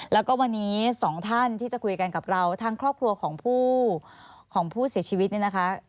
แล้วก็วันนี้สองท่านที่จะคุยกันกับเราทางครอบครัวของผู้ของผู้เสียชีวิตเนี่ยนะคะ